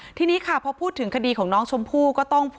จนสนิทกับเขาหมดแล้วเนี่ยเหมือนเป็นส่วนหนึ่งของครอบครัวเขาไปแล้วอ่ะ